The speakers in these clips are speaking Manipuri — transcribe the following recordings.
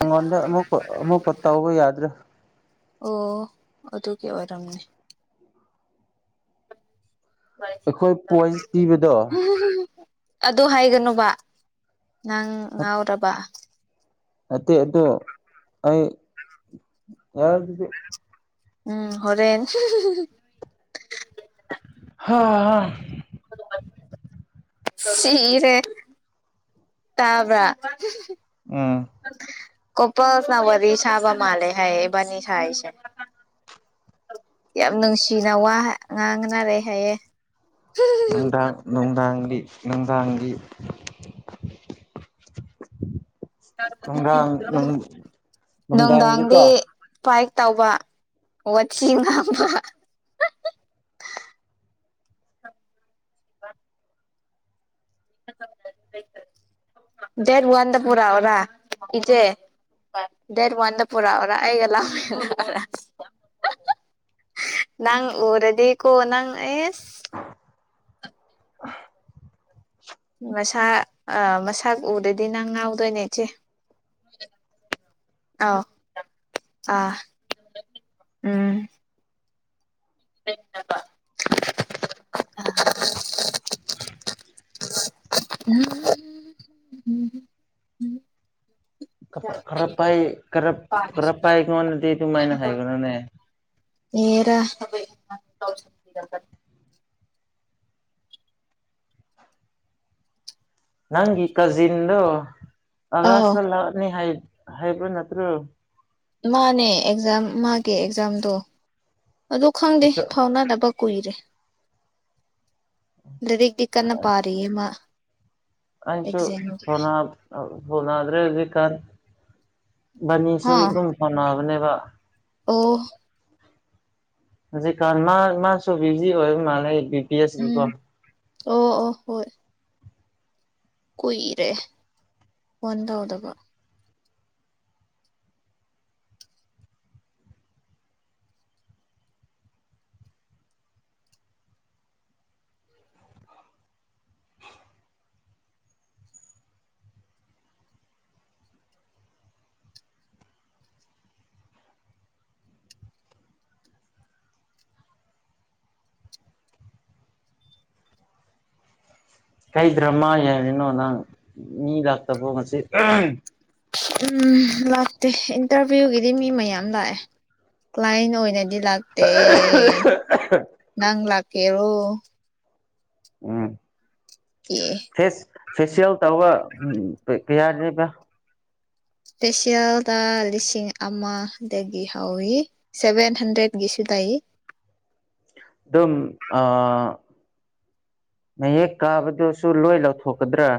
ꯑꯩꯪꯉꯣꯟꯗ ꯑꯃꯨꯛꯀ ꯑꯃꯨꯛꯀ ꯇꯧꯕ ꯌꯥꯗ꯭ꯔꯦ꯫ ꯑꯣ ꯑꯗꯨꯒꯤ ꯑꯣꯏꯔꯝꯒꯅꯤ ꯑꯩꯈꯣꯏ ꯄꯣꯏꯟꯁ ꯄꯤꯕꯗꯣ꯫ ꯑꯗꯨ ꯍꯥꯏꯒꯅꯣꯕ ꯅꯪ ꯉꯥꯎꯔꯕ꯫ ꯅꯠꯇꯦ ꯑꯗꯣ ꯑꯩ ꯌꯥꯔꯦ ꯑꯗꯨꯗꯤ ꯎꯝ ꯍꯣꯔꯦꯟ꯫ ꯍꯥ ꯍꯥ꯫ ꯁꯤꯔꯦ꯫ ꯇꯥꯕ꯭ꯔꯥ꯫ ꯎꯝ꯫ ꯀꯣꯄꯜꯅ ꯋꯥꯔꯤ ꯁꯥꯕ ꯃꯥꯂꯦ ꯍꯥꯏꯌꯦ ꯏꯕꯅꯤ ꯁꯥꯏꯁꯦ꯫ ꯌꯥꯝ ꯅꯨꯡꯁꯤꯅ ꯋꯥ ꯉꯥꯡꯅꯔꯦ ꯍꯥꯏꯌꯦ꯫ ꯅꯨꯡꯗꯥꯡ ꯅꯨꯡꯗꯥꯡꯒꯤ ꯅꯨꯡꯗꯥꯡꯒꯤ꯫ [inaudible] ꯅꯨꯡꯗꯥꯡ ꯅꯨꯡꯗꯥꯡꯗꯤ꯫ ꯅꯨꯡꯗꯥꯡꯗꯤꯀꯣ ꯕꯥꯏꯛ ꯇꯧꯕ ꯋꯥꯊꯤ ꯉꯥꯡꯕ꯫ ꯗꯦꯠ ꯋꯥꯟꯗ ꯄꯨꯔꯛꯑꯣꯔꯥ ꯏꯆꯦ꯫ ꯗꯦꯗ ꯋꯥꯟꯗ ꯄꯨꯔꯛꯎꯔꯥ ꯑꯩꯒ ꯂꯥꯛꯃꯤꯟꯅꯔ ꯅꯪ ꯎꯔꯗꯤ ꯀꯣ ꯅꯪ ꯑꯦꯁ꯫ [unintelligible] ꯃꯁꯥꯛ ꯑ ꯃꯁꯥꯛ ꯎꯔꯗꯤ ꯅꯪ ꯉꯥꯎꯗꯣꯏꯅꯦ ꯏꯆꯦ꯫ ꯑꯥꯎ ꯑ ꯎꯝ꯫ [unintelligible] [unintelligible] ꯈꯔ ꯄꯥꯢ ꯈꯔꯞ ꯈꯔ ꯄꯥꯢ ꯑꯩꯉꯣꯟꯗꯗꯤ ꯑꯗꯨꯃꯥꯏꯅ ꯍꯥꯏꯒꯅꯨꯅꯦ ꯍꯦꯗꯥ ꯅꯪꯒꯤ ꯀꯖꯤꯟꯗꯣ ꯑꯥꯎ ꯑꯒꯁꯇ ꯂꯥꯛꯅꯤ ꯍꯥꯏꯕ ꯅꯠꯇ꯭ꯔꯣ꯫ ꯃꯥꯅꯦ ꯑꯦꯛꯖꯥꯝ ꯃꯥꯒꯤ ꯑꯦꯛꯖꯥꯝꯗꯣ ꯑꯗꯨ ꯈꯪꯗꯦ ꯐꯥꯎꯅꯗꯕ_ ꯀꯨꯏꯔꯦ ꯂꯥꯢꯔꯤꯛꯇꯤ ꯀꯥꯟꯅ ꯄꯥꯔꯤ ꯃꯥ__ ꯑꯩꯁꯨ ꯍꯣꯠꯅ ꯍꯣꯠꯅꯗ꯭ꯔꯦ ꯍꯧꯖꯤꯛꯀꯥꯟ ꯏꯕꯅꯤꯁꯨ ꯍꯥ ꯑꯗꯨꯝ ꯍꯣꯠꯅꯕꯅꯦꯕ ꯑꯣ꯫ ꯍꯧꯖꯤꯛꯀꯥꯟ ꯃꯥ ꯃꯥꯁꯨ ꯕꯤꯖꯤ ꯑꯣꯏꯕ ꯃꯥꯜꯂꯦ ꯕꯤ ꯄꯤ ꯑꯦꯁꯀꯤꯀꯣ꯫ ꯎꯝ ꯑꯣ ꯑꯣ ꯍꯣꯏ꯫ ꯀꯨꯏꯔꯦ ꯐꯣꯟ ꯇꯧꯗꯕ ꯀꯩ ꯗ꯭ꯔꯃꯥ ꯌꯥꯦꯡꯉꯤꯅꯣ ꯅꯪ ꯃꯤ ꯂꯥꯛꯇꯕꯣ ꯉꯁꯤ꯫ ꯎꯝ ꯂꯥꯛꯇꯦ ꯏꯟꯇꯔꯚꯤꯌꯨꯒꯤꯗꯤ ꯃꯤ ꯃꯌꯥꯝ ꯂꯥꯛꯑꯦ꯫ ꯀ꯭ꯂꯥꯏꯟ ꯑꯣꯏꯅꯗꯤ ꯂꯥꯛꯇꯦ ꯅꯪ ꯂꯥꯛꯀꯦꯔꯣ꯫ ꯎꯝ ꯑꯦ ꯐꯦꯁ ꯐꯦꯁꯤꯌꯦꯜ ꯇꯧꯕ ꯀꯥꯌꯥꯅꯦꯕ ꯐꯦꯁꯦꯜꯗ ꯂꯤꯁꯤꯡ ꯑꯃꯗꯒꯤ ꯍꯧꯏ ꯁꯦꯕꯦꯟ ꯍꯟꯗ꯭ꯔꯦꯠ ꯀꯤꯁꯨ ꯂꯩ꯫ ꯑꯗꯨꯝ ꯑ ꯍꯦꯛ ꯀꯥꯕꯗꯨꯁꯨ ꯂꯣꯏꯅꯥ ꯂꯧꯊꯣꯛꯀꯗ꯭ꯔꯥ꯫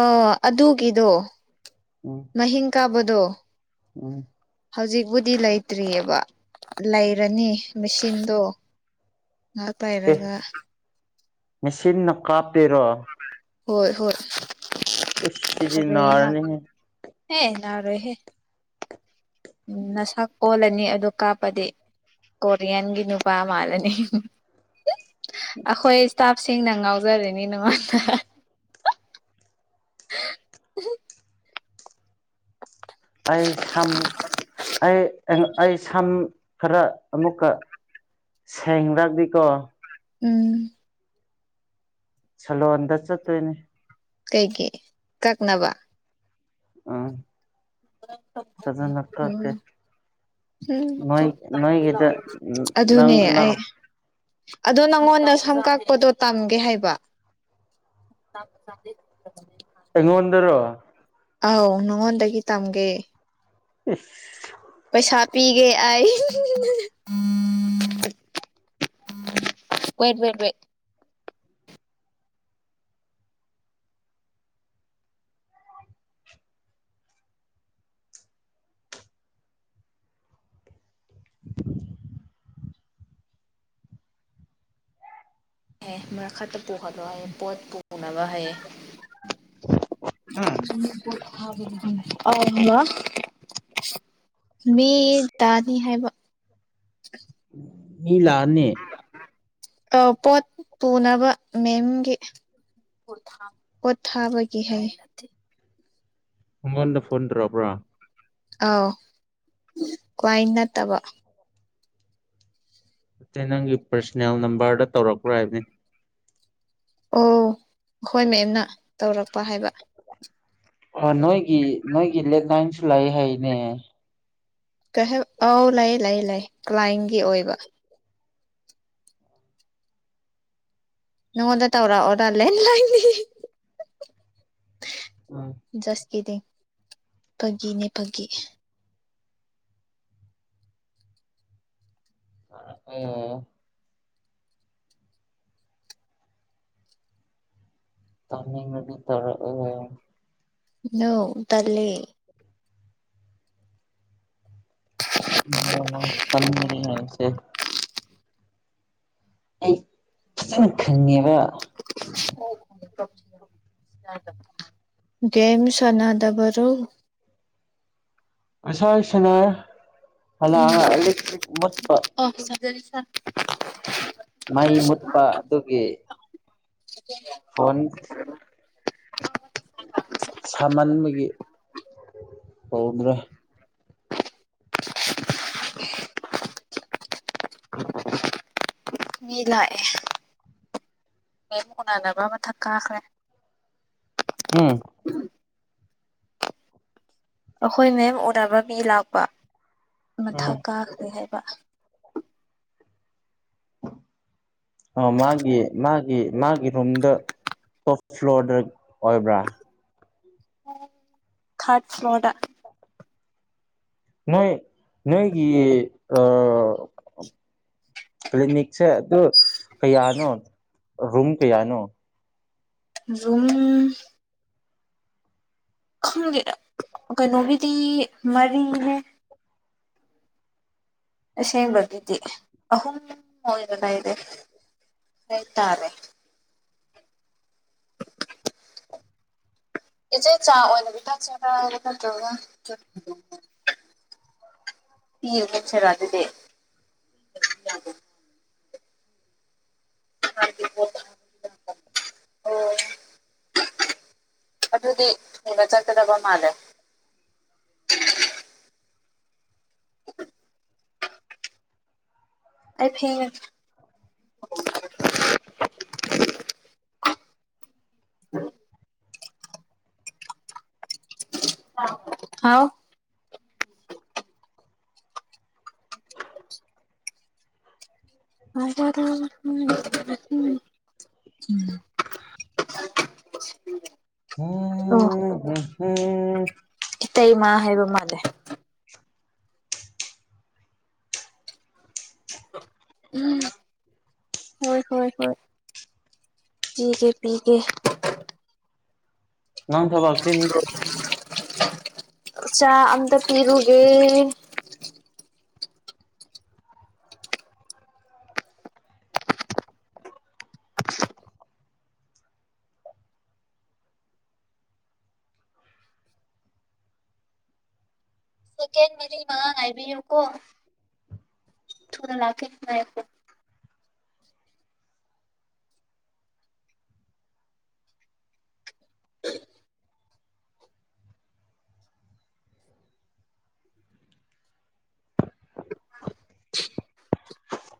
ꯑ ꯑꯗꯨꯒꯤꯗꯣ꯫ ꯎꯝ꯫ ꯃꯍꯤꯡ ꯀꯥꯕꯗꯣ꯫ ꯎꯝ꯫ ꯍꯧꯖꯤꯛꯄꯕꯨꯗꯤ ꯂꯩꯇ꯭ꯔꯤꯑꯕ ꯂꯩꯔꯅꯤ ꯃꯦꯆꯤꯟꯗꯣ꯫ ꯉꯍꯥꯛ ꯑꯦ ꯄꯥꯏꯔꯒꯥ꯫ ꯃꯦꯆꯤꯟꯅ ꯀꯥꯞꯇꯣꯏꯔꯣ ꯍꯣꯏ ꯍꯣꯏ ꯏꯁ ꯁꯤꯗꯤ ꯐꯖꯩꯌꯦ ꯌꯥꯝ ꯅꯥꯔꯅꯤꯍꯦ ꯍꯦ ꯌꯥꯔꯣꯏ ꯍꯦ ꯎꯝ ꯅꯁꯥꯛ ꯑꯣꯜꯂꯅꯤ ꯑꯗꯨ ꯀꯥꯞꯄꯗꯤ ꯀꯣꯔꯤꯌꯥꯟꯒꯤ ꯅꯨꯄꯥ ꯃꯥꯟꯂꯅꯤ ꯑꯈꯣꯏ ꯏꯁꯇꯥꯐꯁꯤꯡꯅ ꯉꯥꯎꯖꯔꯤꯅꯤ ꯅꯉꯣꯟꯗ [unintelligible] ꯑꯩ ꯁꯝ ꯑꯩ ꯑꯩ ꯁꯝ ꯈꯔ ꯑꯃꯨꯛꯀ ꯁꯦꯡꯗ꯭ꯔꯗꯤꯀꯣ ꯎꯝ ꯁꯦꯂꯣꯟꯗ ꯆꯠꯇꯣꯏꯅꯦ ꯀꯩꯒꯤ ꯀꯛꯅꯕ ꯑ [unintelligible] ꯐꯖꯅ ꯀꯛꯀꯦ ꯎꯝ ꯎꯝ ꯅꯣꯏ ꯅꯣꯏꯒꯤꯗ [unintelligible] ꯑꯗꯨꯅꯦ ꯅꯪ ꯑꯩ ꯅꯪ ꯑꯗꯣ ꯅꯪꯉꯣꯟꯗ ꯁꯝ ꯀꯥꯛꯄꯗꯣ ꯇꯝꯒꯦ ꯍꯥꯏꯕ ꯑꯩꯉꯣꯟꯗꯔꯣ ꯑꯥꯎ ꯅꯉꯣꯟꯗꯒꯤ ꯇꯝꯒꯦ ꯏꯁ ꯄꯩꯁꯥ ꯄꯤꯒꯦ ꯑꯩ ꯋꯦꯠ ꯋꯦꯠ ꯋꯦꯠ ꯑꯦ [unintelligible] ꯃ ꯈꯥ ꯇꯕ ꯄꯨꯍꯜꯂꯣ ꯍꯥꯏꯌꯦ ꯄꯣꯠ ꯄꯨꯅꯕ ꯍꯥꯏꯌꯦ [unintelligible] ꯃꯤꯠ ꯇꯥꯅꯤ ꯍꯥꯏꯕ ꯃꯤ ꯂꯥꯛꯑꯅꯤ ꯑꯎ ꯄꯣꯠ ꯄꯨꯅꯕ ꯃꯦꯝꯒꯤ ꯄꯣꯠꯊꯥ ꯄꯣꯠꯊꯥꯕꯒꯤ ꯍꯥꯏ ꯑꯉꯣꯟꯗ ꯐꯣꯟ ꯇꯧꯔꯛꯄ꯭ꯔꯥ ꯑꯥꯎ ꯀ꯭ꯋꯥꯏ ꯅꯠꯇꯕ ꯅꯠꯇꯦ ꯅꯪꯒꯤ ꯄꯔꯁꯅꯦꯜ ꯅꯝꯕꯔꯗ ꯇꯧꯔꯛꯄ꯭ꯔ ꯍꯥꯏꯕꯅꯦ ꯑꯣ ꯑꯈꯣꯏ ꯃꯦꯝꯅ ꯇꯧꯔꯛꯄ ꯍꯥꯏꯕ ꯑꯣ ꯅꯣꯏꯒꯤ ꯅꯣꯏꯒꯤ ꯂꯦꯠꯂꯥꯏꯟꯁꯨ ꯂꯩ ꯍꯥꯏꯅꯦ ꯀꯩ ꯍꯥꯏ ꯑꯧ ꯂꯩ ꯂꯩ ꯂꯩ ꯀ꯭ꯂꯥꯏꯟꯒꯤ ꯑꯣꯏꯕ ꯅꯪꯉꯣꯟꯗ ꯇꯧꯔꯑꯣꯔ ꯂꯦꯟꯂꯥꯏꯟꯗꯤ [unintelligible] ꯖꯁ ꯀꯤꯗꯤꯡ ꯐꯒꯤꯅꯦ ꯐꯒꯤ [unintelligible] ꯇꯧꯅꯤꯡꯉꯗꯤ ꯇꯧꯔꯛꯑꯣ ꯅꯣ ꯇꯜꯂꯦ [unintelligible] ꯇꯟꯒ꯭ꯔꯦꯍꯦ ꯅꯪꯁꯦ ꯑꯩ ꯐꯖꯅ ꯈꯪꯉꯦꯕ [unintelligible] ꯒꯦꯝ ꯁꯅꯥꯗꯕꯔꯣ ꯉꯁꯥꯏ ꯁꯅꯥꯏ ꯍꯜꯂꯛꯑꯒ ꯏꯂꯦꯛꯇ꯭ꯔꯤꯛ ꯃꯨꯠꯄ ꯑꯣ [unintelligible] ꯃꯩ ꯃꯨꯠꯄ ꯑꯗꯨꯒꯤ ꯐꯣꯟ ꯁꯥꯃꯟꯕꯒꯤ ꯇꯧꯗ꯭ꯔꯦ [unintelligible] ꯃꯤ ꯂꯥꯛꯑꯦ ꯃꯦꯝ ꯎꯅꯅꯕ ꯃꯊꯛ ꯀꯥꯈ꯭ꯔꯦ ꯎꯝ ꯑꯩꯈꯣꯏ ꯃꯦꯝ ꯎꯅꯕ ꯃꯤ ꯂꯥꯛꯄ ꯃꯊꯛ ꯎꯝ ꯀꯥꯈ꯭ꯔꯦ ꯍꯥꯏꯕ ꯑꯣ ꯃꯥꯒꯤ ꯃꯥꯒꯤ ꯃꯥꯒꯤ ꯔꯨꯝꯗ ꯇꯣꯞ ꯐ꯭ꯂꯣꯔꯗ ꯑꯣꯏꯕ꯭ꯔꯥ ꯀꯥꯠ ꯐ꯭ꯂꯣꯗꯥ ꯅ ꯅꯒꯤ ꯑ ꯀ꯭ꯂꯤꯅꯤꯛꯁꯦ ꯑꯗꯨ ꯀꯌꯥꯅꯣ ꯔꯨꯝ ꯀꯌꯥꯅꯣ ꯨꯝ ꯈꯪꯒꯦ ꯀꯩꯅꯣꯒꯤꯗꯤ ꯃꯔꯤꯅꯦꯦ ꯁꯦꯡꯕꯒꯤꯗꯤ ꯑꯍꯨꯝ ꯑꯣꯏꯔꯒꯥꯏꯗ ꯀꯩꯇꯥꯥꯔꯦ ꯏꯆꯦ ꯆꯥ ꯑꯣꯏꯅꯗꯤ ꯊꯛꯆꯔꯥꯒ ꯅꯠꯇ꯭ꯔꯒ ꯇꯆꯔ ꯑꯗꯨꯗꯤꯦ [unintelligible] ꯑꯗꯨꯗꯤ ꯊꯨꯕ ꯆꯠꯀꯗꯕ ꯃꯥꯜꯂꯦ [unintelligible] ꯑꯩ ꯐ [unintelligible] ꯍꯥꯎ ꯑꯝ ꯑ ꯎꯝ ꯏꯇꯩ ꯏ ꯃꯥ ꯍꯥꯏꯕ ꯃꯥꯜꯅꯦꯦ ꯎꯝ ꯍꯣꯏ ꯍꯣꯏ ꯍꯣꯏ ꯄꯤꯒ ꯄꯤꯒꯦ ꯅꯪ ꯊꯕꯆꯦꯣ ꯆꯥ ꯑꯗ ꯄꯤꯔꯨꯒꯦ ꯁꯦꯀꯦꯟ ꯃꯔꯤ ꯃꯉꯥ ꯉꯥꯏꯕꯤꯌꯨꯀꯣ ꯊꯨꯅ ꯂꯥꯛꯀꯦ ꯅꯨꯡꯉꯥꯏꯀꯣ [unintelligible] [unintelligible]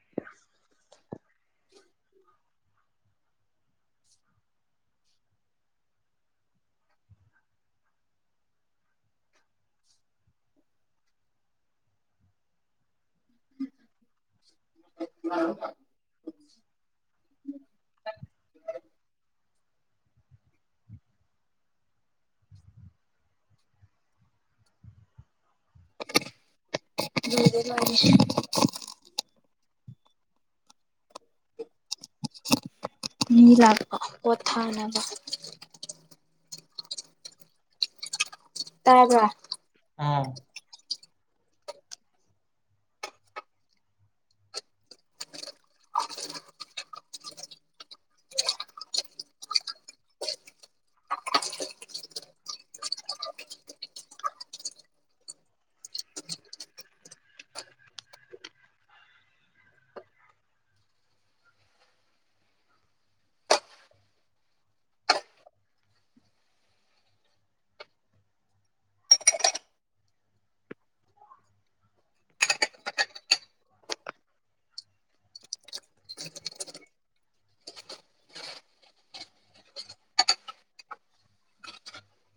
[inaudible] [unintelligible] ꯗ ꯂꯅꯤ ꯃꯤ ꯂꯕ ꯀꯊꯕ ꯇꯥꯕ ꯑꯥ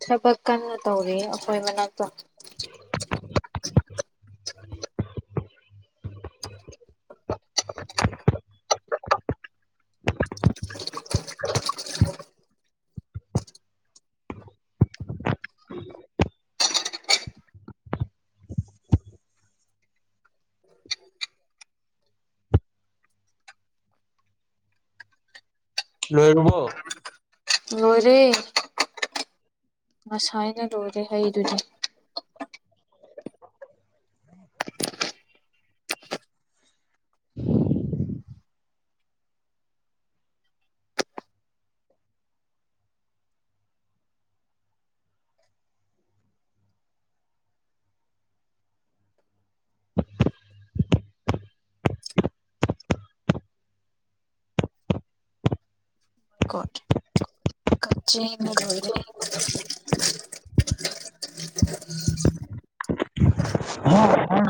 ꯊꯕꯛ ꯀꯟꯅ ꯇꯧꯔꯤ ꯑꯩꯈꯣꯏ ꯃꯅꯥꯛꯇ [unintelligible] ꯂꯣꯏꯔꯕꯣ ꯃꯔꯤꯦ ꯉꯁꯥꯏꯅ ꯂꯣꯏꯔꯦ ꯍꯩꯗꯨꯗꯤ ꯀꯠ ꯆꯗꯤ ꯑꯣꯏꯔꯦ ꯍ ꯍ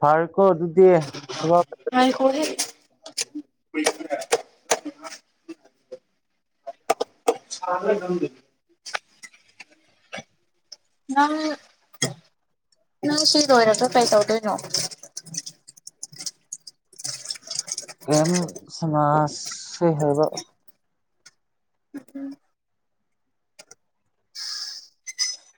ꯐꯔꯦꯀꯣ ꯑꯗꯨꯗꯤ ꯑ ꯍꯣꯣꯏ ꯍ ꯉꯦ ꯅꯪ ꯅꯪ ꯁꯤ ꯂꯣꯏꯔꯁꯨ ꯀꯩ ꯇꯧꯗꯣꯏꯅꯣ ꯒꯦꯝ ꯁꯃꯥꯖꯁꯤꯦ ꯍꯥꯏꯕ